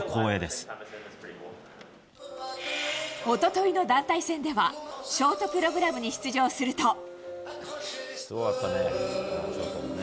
一昨日の団体戦ではショートプログラムに出場すると。